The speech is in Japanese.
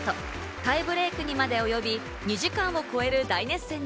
タイブレークにまで及び、２時間を超える大接戦に。